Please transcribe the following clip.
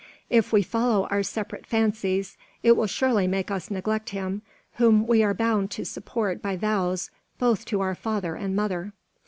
If we follow our separate fancies, it will surely make us neglect him, whom we are bound to support by vows both to our father and mother."